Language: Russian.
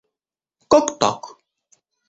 Как так?